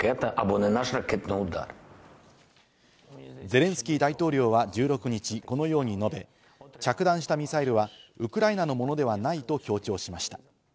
ゼレンスキー大統領は１６日、このように述べ、着弾したミサイルはウクライナのものではないと強調しました。